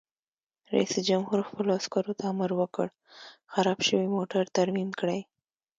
رئیس جمهور خپلو عسکرو ته امر وکړ؛ خراب شوي موټر ترمیم کړئ!